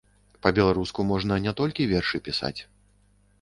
Па-беларуску можна не толькі вершы пісаць.